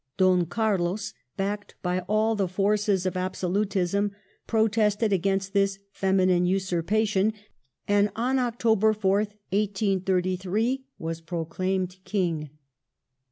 Don Carlos — backed by all the forces of absolutism — protested against this feminine usurpation, and on Octol^er 4th, 1833, was proclaimed King.